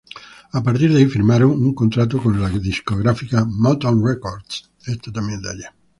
A partir de ahí firmaron un contrato con la discográfica Motown Records.